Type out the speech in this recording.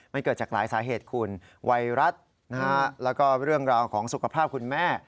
มันเกิดจากหลายสาเหตุคุณไวรัสแล้วก็เรื่องราวของสุขภาพคุณแม่